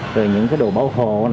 rồi những cái đồ bảo hộ